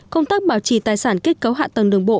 công tác bảo trì tài sản kết cấu hạ tầng đường bộ